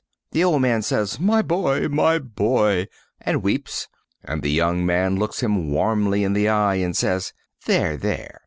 The old man says "My boy! My boy!" and weeps, and the young man looks him warmly in the eye and says, "There, there."